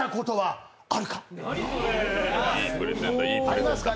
ありますか？